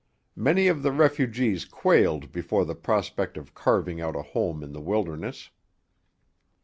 Many of the refugees quailed before the prospect of carving out a home in the wilderness.